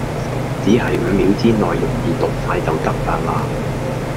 只係五秒之內容易讀哂就得㗎啦